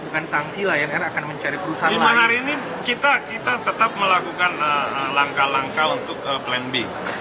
kita tetap melakukan langkah langkah untuk plan b